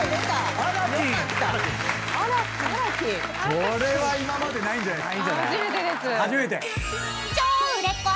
これは今までないんじゃない？